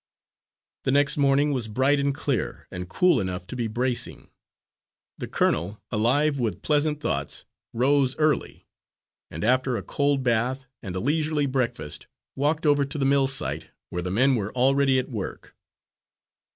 The next morning was bright and clear, and cool enough to be bracing. The colonel, alive with pleasant thoughts, rose early and after a cold bath, and a leisurely breakfast, walked over to the mill site, where the men were already at work.